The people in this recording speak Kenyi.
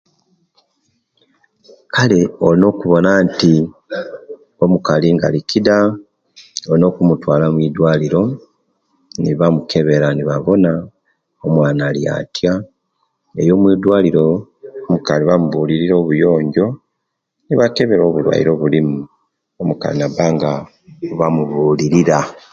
Kale olina okuwona nti omukali nga alikida olina okumutwala mudwaliro nibamukebera nibawona omuwana aliatya eyo mwidwaliro omukali bamubulirira obuyonjo nibakebera obulwaire obulimu omukali nabanga bamubulirira